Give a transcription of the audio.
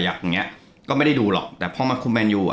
อย่างเงี้ยก็ไม่ได้ดูหรอกแต่พอมาคุมแมนยูอ่ะ